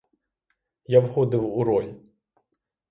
Я входив у роль.